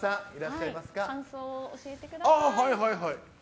感想を教えてください。